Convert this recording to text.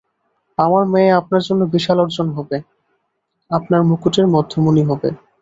আমার মেয়ে আপনার জন্য বিশাল অর্জন হবে, আপনার মুকুটের মধ্যমণি হবে।